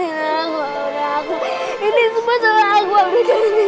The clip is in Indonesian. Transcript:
ini semua salah aku